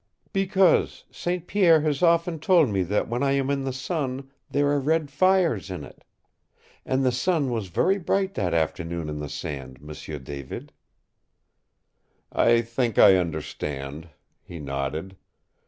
"Because St. Pierre has often told me that when I am in the sun there are red fires in it. And the sun was very bright that afternoon in the sand, M'sieu David." "I think I understand," he nodded.